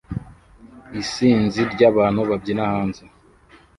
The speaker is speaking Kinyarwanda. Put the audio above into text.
Isinzi ry'abantu babyina hanze